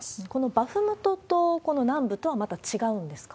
このバフムトとこの南部とは、また違うんですか？